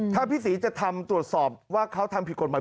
ถ้าพี่ศรีจะทำตรวจสอบว่าเขาทำผิดกฎหมาย